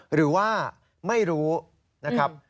หรือว่าไม่รู้นะครับ